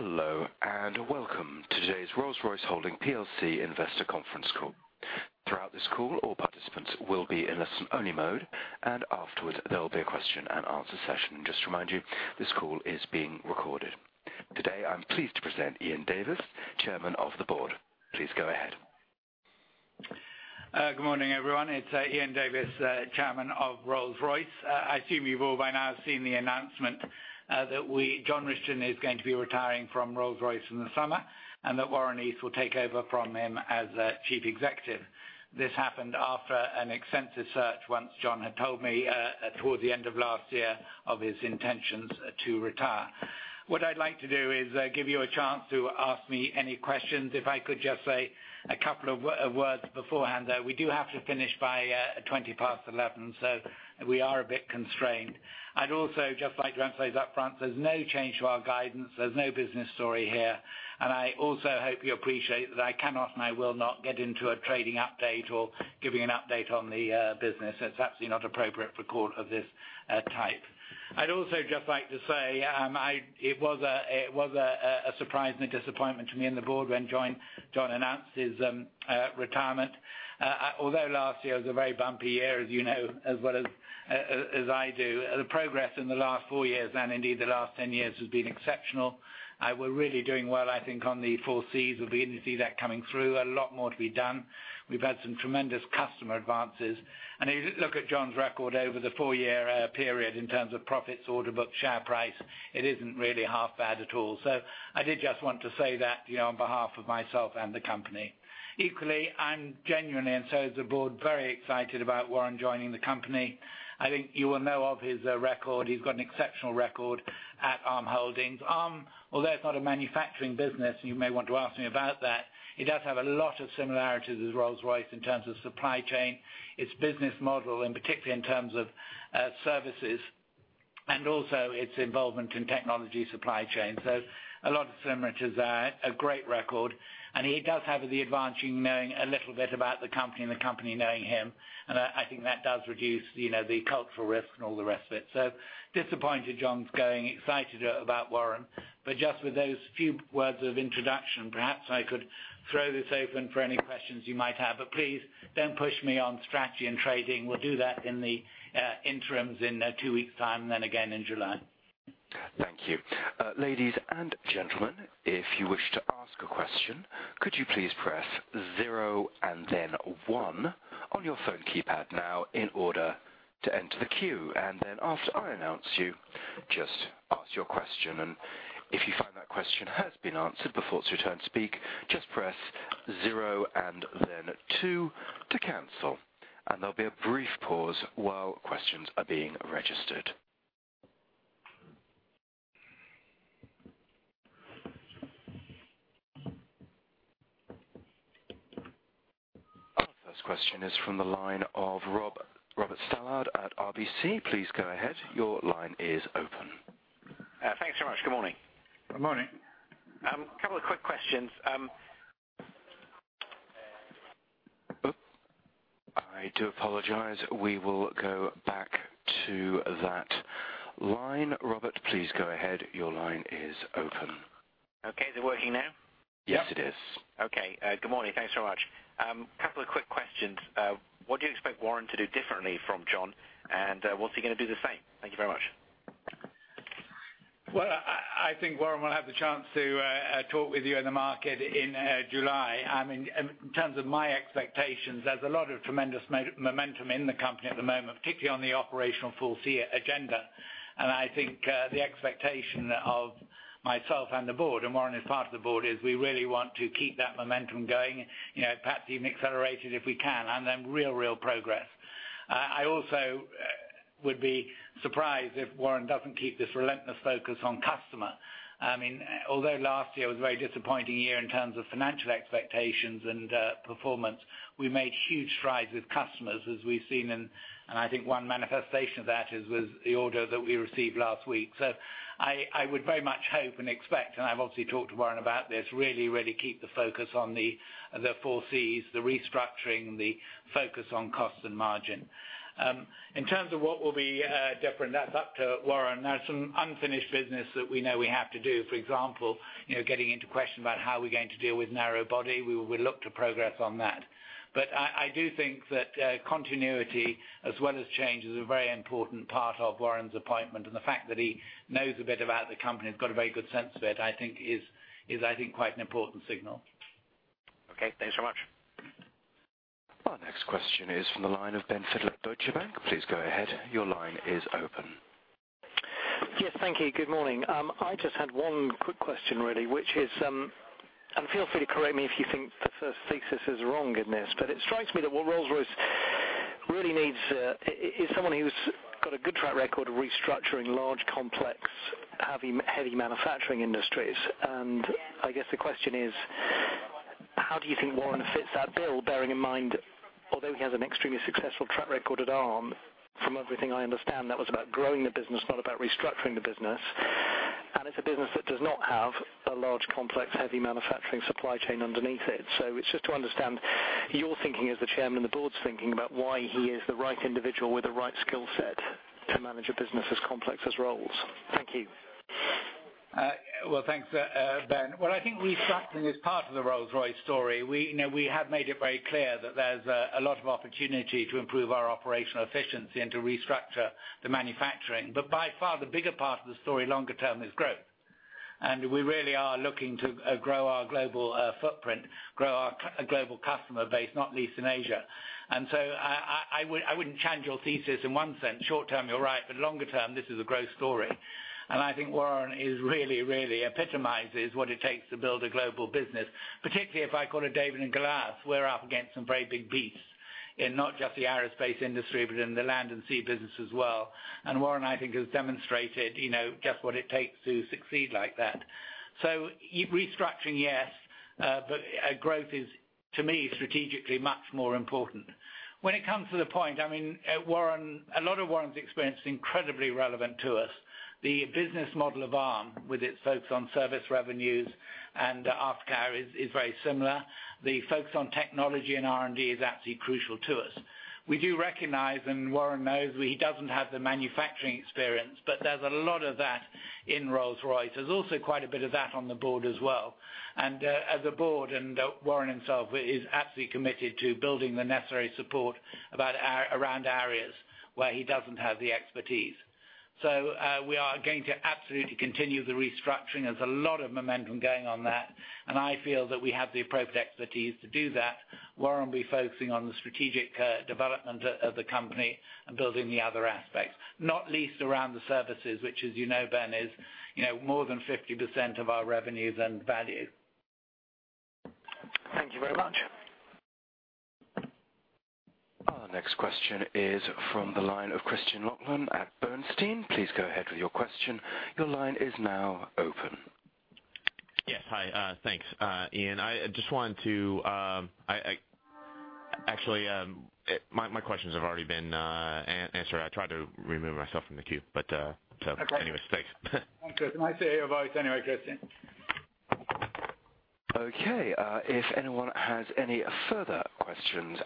Hello, and welcome to today's Rolls-Royce Holdings plc Investor Conference Call. Throughout this call, all participants will be in listen-only mode, and afterwards, there will be a question and answer session. Just to remind you, this call is being recorded. Today, I'm pleased to present Ian Davis, Chairman of the Board. Please go ahead. Good morning, everyone. It's Ian Davis, Chairman of Rolls-Royce. I assume you've all by now seen the announcement that John Rishton is going to be retiring from Rolls-Royce in the summer, and that Warren East will take over from him as Chief Executive. This happened after an extensive search once John had told me towards the end of last year of his intentions to retire. What I'd like to do is give you a chance to ask me any questions. If I could just say a couple of words beforehand, though. We do have to finish by 20 past 11, so we are a bit constrained. I'd also just like to emphasize up front, there's no change to our guidance, there's no business story here, and I also hope you appreciate that I cannot and I will not get into a trading update or giving an update on the business. It's absolutely not appropriate for a call of this type. I'd also just like to say, it was a surprise and a disappointment to me and the board when John announced his retirement. Although last year was a very bumpy year as you know as well as I do, the progress in the last four years and indeed the last 10 years has been exceptional. We're really doing well, I think, on the four Cs. We're beginning to see that coming through. A lot more to be done. We've had some tremendous customer advances. If you look at John's record over the four-year period in terms of profits, order book, share price, it isn't really half bad at all. I did just want to say that on behalf of myself and the company. Equally, I'm genuinely, and so is the board, very excited about Warren joining the company. I think you will know of his record. He's got an exceptional record at Arm Holdings. Arm, although it's not a manufacturing business, and you may want to ask me about that, it does have a lot of similarities with Rolls-Royce in terms of supply chain, its business model, and particularly in terms of services, and also its involvement in technology supply chain. A lot of similarities there. A great record. He does have the advantage in knowing a little bit about the company and the company knowing him. I think that does reduce the cultural risk and all the rest of it. Disappointed John's going, excited about Warren. Just with those few words of introduction, perhaps I could throw this open for any questions you might have. Please, don't push me on strategy and trading. We'll do that in the interims in two weeks' time. Then again in July. Thank you. Ladies and gentlemen, if you wish to ask a question, could you please press zero and then 1 on your phone keypad now in order to enter the queue. Then after I announce you, just ask your question. If you find that question has been answered before it's your turn to speak, just press zero and then 2 to cancel. There'll be a brief pause while questions are being registered. Our first question is from the line of Robert Stallard at RBC. Please go ahead. Your line is open. Thanks so much. Good morning. Good morning. A couple of quick questions. I do apologize. We will go back to that line. Robert, please go ahead. Your line is open. Okay. Is it working now? Yes, it is. Okay. Good morning. Thanks so much. Couple of quick questions. What do you expect Warren to do differently from John, and what's he going to do the same? Thank you very much. Well, I think Warren will have the chance to talk with you in the market in July. In terms of my expectations, there's a lot of tremendous momentum in the company at the moment, particularly on the operational four Cs agenda. I think the expectation of myself and the board, and Warren is part of the board, is we really want to keep that momentum going, perhaps even accelerate it if we can, and then real progress. I also would be surprised if Warren doesn't keep this relentless focus on customer. Although last year was a very disappointing year in terms of financial expectations and performance, we made huge strides with customers, as we've seen, and I think one manifestation of that was the order that we received last week. I would very much hope and expect, and I've obviously talked to Warren about this, really keep the focus on the four Cs, the restructuring, the focus on cost and margin. In terms of what will be different, that's up to Warren. There's some unfinished business that we know we have to do. For example, getting into question about how we're going to deal with narrow-body. We will look to progress on that. I do think that continuity as well as change is a very important part of Warren's appointment. The fact that he knows a bit about the company and has got a very good sense of it, I think, is quite an important signal. Okay. Thanks so much. Our next question is from the line of Ben Fidler at Deutsche Bank. Please go ahead. Your line is open. Yes. Thank you. Good morning. I just had one quick question, really, which is, feel free to correct me if you think the first thesis is wrong in this, but it strikes me that what Rolls-Royce really needs is someone who's got a good track record of restructuring large, complex, heavy manufacturing industries. I guess the question is, how do you think Warren fits that bill, bearing in mind, although he has an extremely successful track record at Arm, from everything I understand, that was about growing the business, not about restructuring the business. It's a business that does not have a large, complex, heavy manufacturing supply chain underneath it. It's just to understand your thinking as the Chairman and the board's thinking about why he is the right individual with the right skill set to manage a business as complex as Rolls. Thank you. Well, thanks, Ben. Well, I think restructuring is part of the Rolls-Royce story. We have made it very clear that there's a lot of opportunity to improve our operational efficiency and to restructure the manufacturing. By far, the bigger part of the story longer term is growth. We really are looking to grow our global footprint, grow our global customer base, not least in Asia. I wouldn't change your thesis in one sense. Short term, you're right, but longer term, this is a growth story. I think Warren really epitomizes what it takes to build a global business, particularly if I call it David and Goliath. We're up against some very big beasts in not just the aerospace industry, but in the land and sea business as well. Warren, I think, has demonstrated just what it takes to succeed like that. Restructuring, yes, but growth is, to me, strategically much more important. When it comes to the point, a lot of Warren's experience is incredibly relevant to us. The business model of ARM, with its focus on service revenues and aftercare, is very similar. The focus on technology and R&D is absolutely crucial to us. We do recognize, and Warren knows, he doesn't have the manufacturing experience, but there's a lot of that in Rolls-Royce. There's also quite a bit of that on the board as well. As a board, and Warren himself, is absolutely committed to building the necessary support around areas where he doesn't have the expertise. We are going to absolutely continue the restructuring. There's a lot of momentum going on that, and I feel that we have the appropriate expertise to do that. Warren will be focusing on the strategic development of the company and building the other aspects, not least around the services, which, as you know, Ben, is more than 50% of our revenues and value. Thank you very much. Our next question is from the line of Christian Laughlin at Bernstein. Please go ahead with your question. Your line is now open. Yes. Hi. Thanks, Ian. Actually, my questions have already been answered. I tried to remove myself from the queue, anyway, thanks. Thanks. Nice to hear your voice anyway, Christian. Okay, if anyone has any further questions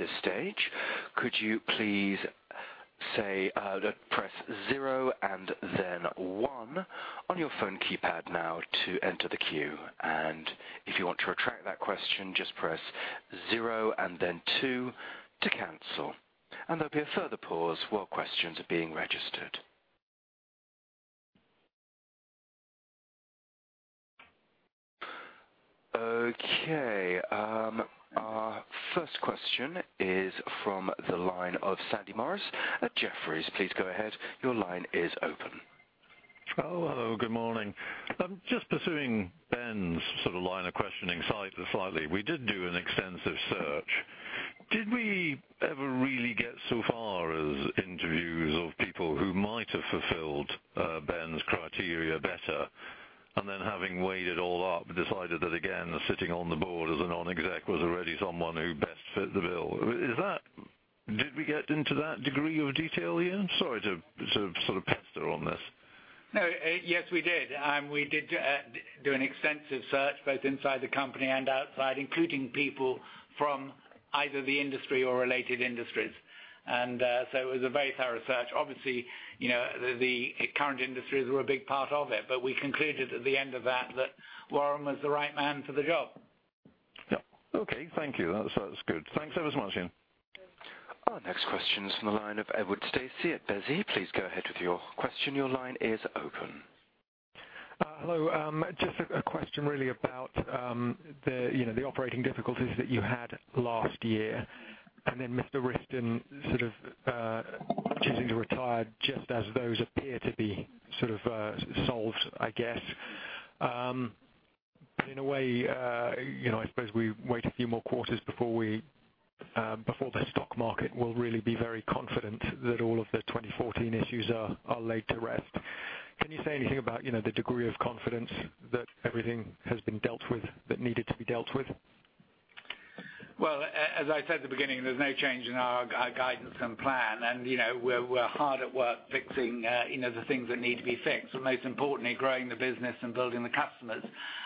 at this stage, could you please press zero and then one on your phone keypad now to enter the queue? If you want to retract that question, just press zero and then two to cancel. There'll be a further pause while questions are being registered. Okay. Our first question is from the line of Sandy Morris at Jefferies. Please go ahead. Your line is open. Hello, good morning. Just pursuing Ben's line of questioning slightly. We did do an extensive search. Did we ever really get so far as interviews of people who might have fulfilled Ben's criteria better, and then, having weighed it all up, decided that, again, sitting on the board as a non-exec was already someone who best fit the bill? Did we get into that degree of detail, Ian? Sorry to pester on this. No. Yes, we did. We did do an extensive search both inside the company and outside, including people from either the industry or related industries. So it was a very thorough search. Obviously, the current industries were a big part of it, but we concluded at the end of that Warren was the right man for the job. Yeah. Okay. Thank you. That's good. Thanks ever so much, Ian. Our next question is from the line of Edward Stacey at Besi. Please go ahead with your question. Your line is open. Hello. Just a question really about the operating difficulties that you had last year, Mr. Rishton sort of choosing to retire just as those appear to be sort of solved, I guess. In a way, I suppose we wait a few more quarters before the stock market will really be very confident that all of the 2014 issues are laid to rest. Can you say anything about the degree of confidence that everything has been dealt with that needed to be dealt with? Well, as I said at the beginning, there's no change in our guidance and plan. We're hard at work fixing the things that need to be fixed, but most importantly, growing the business and building the customers.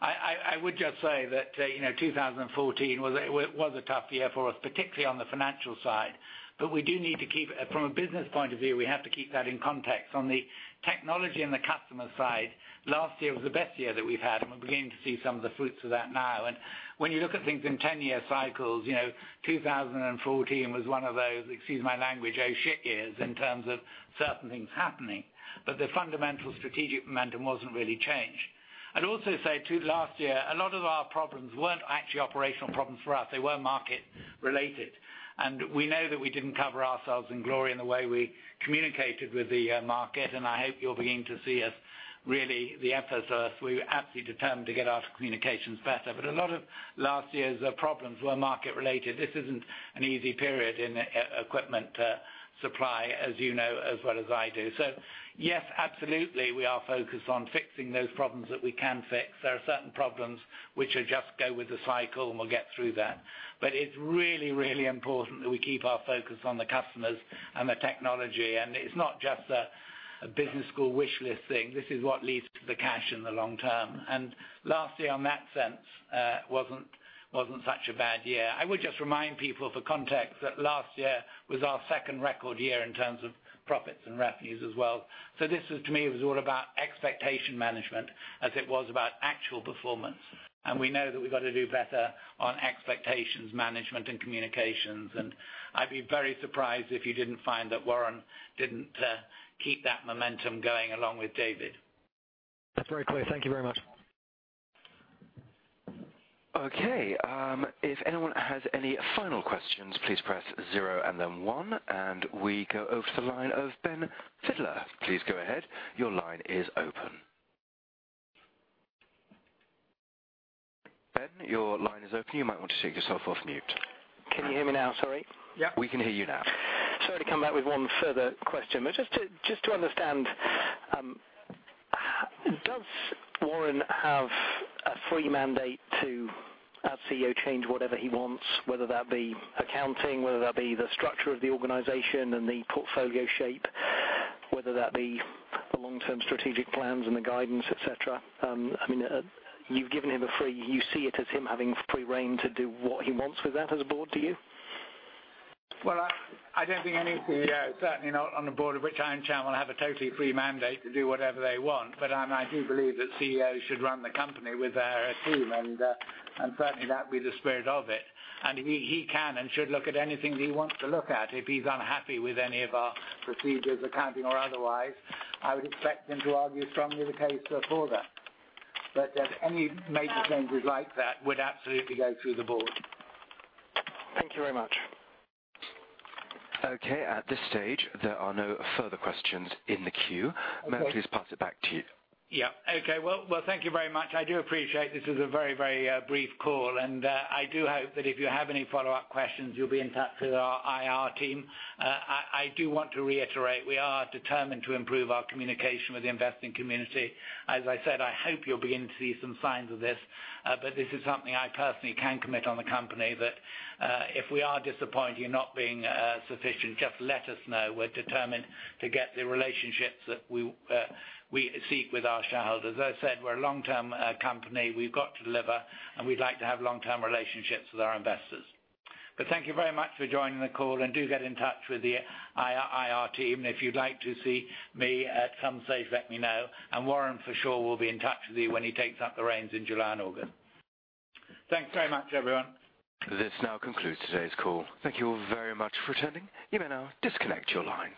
I would just say that 2014 was a tough year for us, particularly on the financial side. From a business point of view, we have to keep that in context. On the technology and the customer side, last year was the best year that we've had, and we're beginning to see some of the fruits of that now. When you look at things in 10-year cycles, 2014 was one of those, excuse my language, oh, shit years in terms of certain things happening. The fundamental strategic momentum wasn't really changed. I'd also say, too, last year, a lot of our problems weren't actually operational problems for us. They were market related. We know that we didn't cover ourselves in glory in the way we communicated with the market, and I hope you're beginning to see the emphasis. We're absolutely determined to get our communications better. A lot of last year's problems were market related. This isn't an easy period in equipment supply, as you know as well as I do. Yes, absolutely, we are focused on fixing those problems that we can fix. There are certain problems which just go with the cycle, and we'll get through that. It's really important that we keep our focus on the customers and the technology. It's not just a business school wishlist thing. This is what leads to the cash in the long term. Last year, on that sense, wasn't such a bad year. I would just remind people for context, that last year was our second record year in terms of profits and revenues as well. This was, to me, it was all about expectation management as it was about actual performance. We know that we've got to do better on expectations, management, and communications. I'd be very surprised if you didn't find that Warren didn't keep that momentum going along with David. That's very clear. Thank you very much. Okay. If anyone has any final questions, please press zero and then one. We go over to the line of Ben Fidler. Please go ahead. Your line is open. Ben, your line is open. You might want to take yourself off mute. Can you hear me now? Sorry. Yeah, we can hear you now. Sorry to come back with one further question, but just to understand, does Warren have a free mandate to, as CEO, change whatever he wants, whether that be accounting, whether that be the structure of the organization and the portfolio shape, whether that be the long-term strategic plans and the guidance, et cetera? You see it as him having free rein to do what he wants with that as a board, do you? Well, I don't think any CEO, certainly not on the board of which I am Chairman, will have a totally free mandate to do whatever they want. I do believe that CEOs should run the company with their team, and certainly that will be the spirit of it. He can and should look at anything that he wants to look at. If he's unhappy with any of our procedures, accounting or otherwise, I would expect him to argue strongly the case for further. Any major changes like that would absolutely go through the board. Thank you very much. Okay. At this stage, there are no further questions in the queue. Okay. May I please pass it back to you? Yeah. Okay. Well, thank you very much. I do appreciate this is a very brief call, and I do hope that if you have any follow-up questions, you'll be in touch with our IR team. I do want to reiterate, we are determined to improve our communication with the investing community. As I said, I hope you'll begin to see some signs of this. This is something I personally can commit on the company that, if we are disappointing you, not being sufficient, just let us know. We're determined to get the relationships that we seek with our shareholders. As I said, we're a long-term company. We've got to deliver, and we'd like to have long-term relationships with our investors. Thank you very much for joining the call, and do get in touch with the IR team. If you'd like to see me at some stage, let me know. Warren, for sure, will be in touch with you when he takes up the reins in July and August. Thanks very much, everyone. This now concludes today's call. Thank you all very much for attending. You may now disconnect your lines.